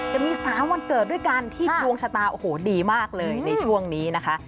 จะมี๓วันเกิดด้วยกันที่ดวงชะตาโอ้โหดีมากเลยในช่วงนี้นะคะ